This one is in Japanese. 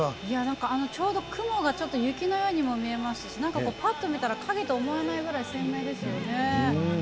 いや、なんか、ちょっと雪のようにも見えますし、なんかぱっと見たら影と思わないぐらい鮮明ですよね。